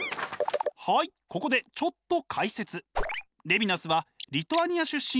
はいここでちょっと解説！